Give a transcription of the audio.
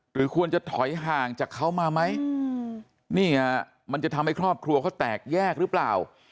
หรือควรจะถอยห่างจากเขามามั้ยมันจะทำให้ครอบครัวแปลกแยกหรือเปล่า